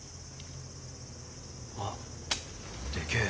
わっでけえ。